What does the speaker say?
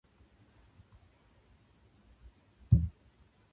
興奮します。